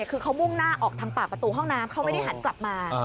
คือเขามุ่งหน้าออกทางปากประตูห้องน้ำเขาไม่ได้หันกลับมา